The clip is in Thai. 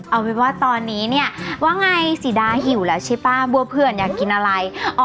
เอาเป็นว่าตอนนี้เนี่ยว่าไงสีดาหิวแล้วใช่ป้าบัวเผื่อนอยากกินอะไร